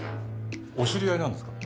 お知り合いなんですか？